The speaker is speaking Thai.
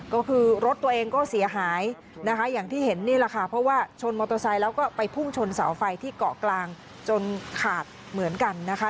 ก็คือรถตัวเองก็เสียหายนะคะอย่างที่เห็นนี่แหละค่ะเพราะว่าชนมอเตอร์ไซค์แล้วก็ไปพุ่งชนเสาไฟที่เกาะกลางจนขาดเหมือนกันนะคะ